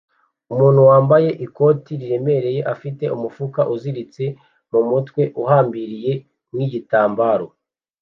Umuntu wambaye ikote riremereye afite umufuka uziritse mumutwe uhambiriye nkigitambara